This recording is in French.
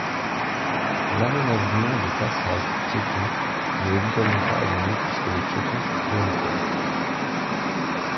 L’aménagement de passages pour piétons n’est évidemment pas admis puisque les piétons sont prioritaires.